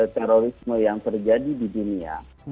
terorisme yang terjadi di dunia